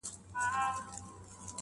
چي پر لاري برابر سي او سړی سي-